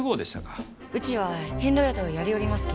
うちは遍路宿をやりよりますき。